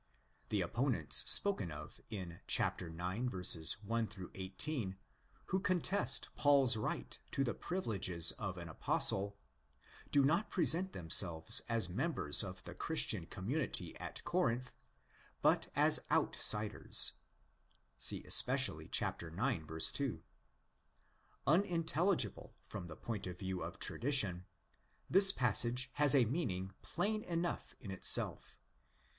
The opponents spoken of in 1x. 1 18, who contest Paul's right to the privileges of an Apostle, do not present themselves as members of the Christian community at Corinth, but as outsiders (see especially ix. 2). Unin telligible from the point of view of tradition, this passage has a meaning plain enough in itself.